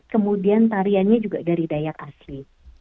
kemudian tariannya juga dari dayak asli